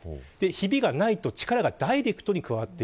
ひびがないと力がダイレクトに加わる。